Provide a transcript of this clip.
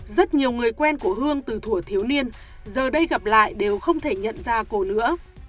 rất nhiều người quen của hương từ thủa thiếu niên giờ đây gặp lại đều không thể nhận ra cổ nữa